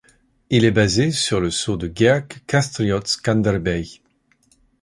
Il est basé sur le sceau de Gjergj Kastriot Skanderbeg.